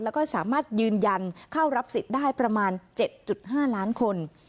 แล้วก็สามารถยืนยันเข้ารับสิทธิ์ได้ประมาณ๗๕ล้านคน